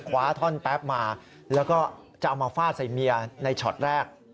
คว้าท่อนแป๊บมาแล้วก็จะเอามาฟาดใส่เมียในช็อตแรก